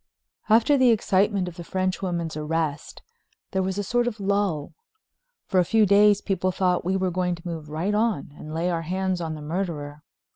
X After the excitement of the French woman's arrest there was a sort of lull. For a few days people thought we were going to move right on and lay our hands on the murderer.